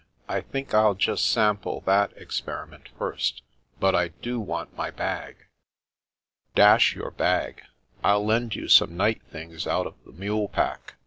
"I think Til just * sample' that experiment first. But I do want my bag." " Dash your bag ! I'll lend you some night things out of the mule pack.